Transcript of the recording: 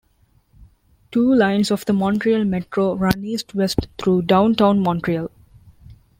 Two lines of the Montreal Metro run east-west through Downtown Montreal.